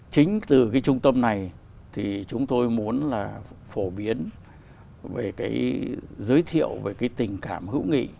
chính từ cái trung tâm này thì chúng tôi muốn là phổ biến về cái giới thiệu về cái tình cảm hữu nghị